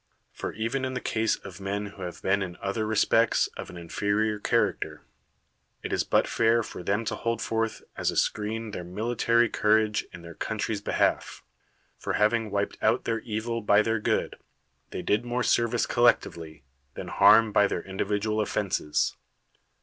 For even in the case of men who have been in other re spects of an inferior character, it is but fair for them to hold forth as a screen their military courage in their country's behalf; for, having wi{>ed out their evil by their good, they did more service collectively, than harm by their individual offenses.